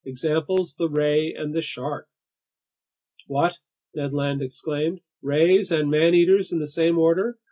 Examples: the ray and the shark." "What!" Ned Land exclaimed. "Rays and man eaters in the same order?